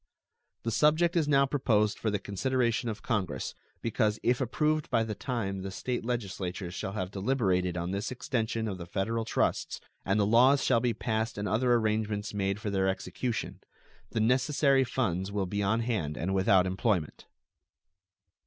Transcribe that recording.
The subject is now proposed for the consideration of Congress, because if approved by the time the State legislatures shall have deliberated on this extension of the Federal trusts, and the laws shall be passed and other arrangements made for their execution, the necessary funds will be on hand and without employment.